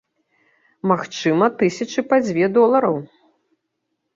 Магчыма, тысячы па дзве долараў.